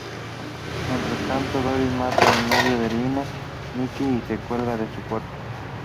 Mientras tanto, Doris mata al novio de Lina, Mikey y se cuelga su cuerpo.